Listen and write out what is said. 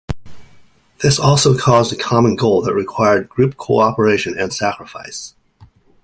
This also caused a common goal that required group cooperation and sacrifice.